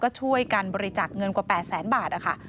ก็ช่วยกันบริจาคเงินกว่า๘แสนบาทนะคะ